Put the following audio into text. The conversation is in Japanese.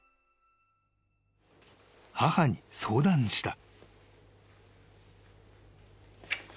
［母に相談した］